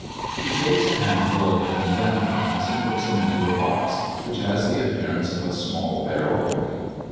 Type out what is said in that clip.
He takes a handful of the condemned ones, and puts them into a box, which has the appearance of a small barrel organ.